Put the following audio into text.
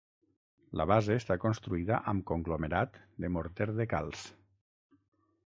La base està construïda amb conglomerat de morter de calç.